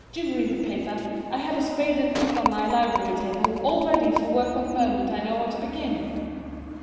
" Do read the paper ; I have a spade and pick on my library table, all ready for work the moment I know where to begin."